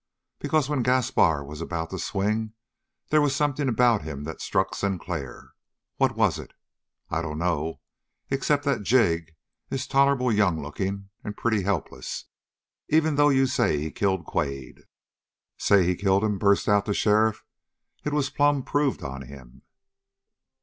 "Because when Gaspar was about to swing, they was something about him that struck Sinclair. What was it? I dunno, except that Jig is tolerable young looking and pretty helpless, even though you say he killed Quade." "Say he killed him?" burst out the sheriff. "It was plumb proved on him."